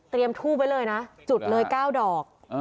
เตรียมทูบไว้เลยนะจุดเลย๙ดอก